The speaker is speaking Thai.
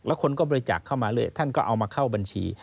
แล้วคนก็บริจาคเข้ามาเรื่อยท่านก็เอามาเข้าบัญชี